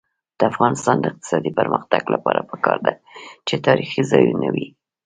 د افغانستان د اقتصادي پرمختګ لپاره پکار ده چې تاریخي ځایونه وي.